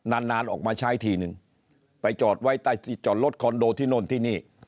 นานนานออกมาใช้ทีนึงไปจอดไว้ใต้ที่จอดรถคอนโดที่โน่นที่นี่